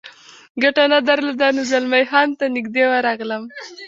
ګټه نه درلوده، نو زلمی خان ته نږدې ورغلم.